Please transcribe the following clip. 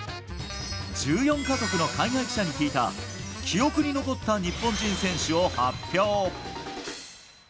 １４か国の海外記者に聞いた記憶に残った日本人選手を発表。